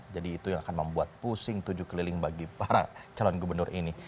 jadi itu yang akan membuat pusing tujuh keliling bagi para calon gubernur ini